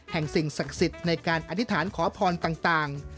สิ่งศักดิ์สิทธิ์ในการอธิษฐานขอพรต่าง